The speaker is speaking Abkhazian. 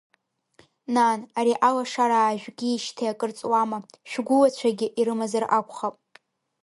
Нан, ари алашара аажәгеижьҭеи акыр ҵуама, шәгәы-лацәагьы ирымазар акәхап?